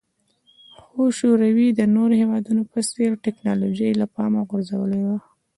خو شوروي د نورو هېوادونو په څېر ټکنالوژي له پامه غورځولې وه